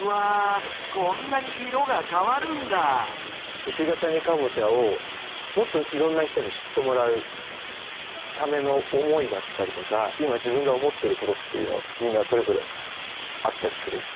こんなに色が変わるんだ鹿ケ谷かぼちゃをもっといろんな人に知ってもらうための思いだったりとか今自分が思ってることっていうのをみんなそれぞれあったりする？